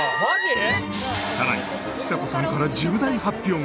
さらにちさ子さんから重大発表が